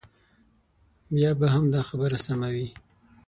بیا به هم دا خبره سمه وي.